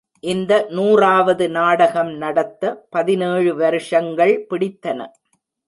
இந்த நூறாவது நாடகம் நடத்த பதினேழு வருஷங்கள் பிடித்தன.